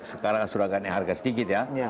sekarang sudah ganti harga sedikit ya